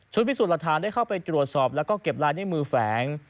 ชุดพิสูจน์ละทานได้เข้าไปตรวจสอบและเก็บลายในมือแฝง